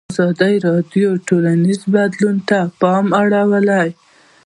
ازادي راډیو د ټولنیز بدلون ته پام اړولی.